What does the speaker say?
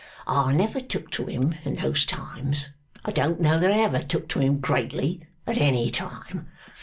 I never took to him in those times; I don't know that I ever took to him greatly at any time.